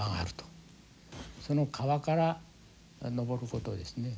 その川から上ることをですね